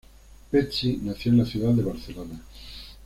Betsy nació en la ciudad de Barcelona.